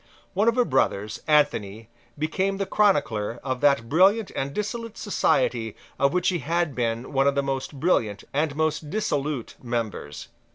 One of her brothers, Anthony, became the chronicler of that brilliant and dissolute society of which he had been one of the most brilliant and most dissolute members.